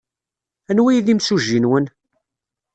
Anwa ay d imsujji-nwen?